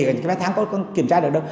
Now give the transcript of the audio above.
để cái vé thang có kiểm tra được đâu